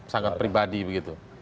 sangat pribadi begitu